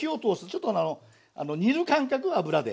ちょっと煮る感覚油で。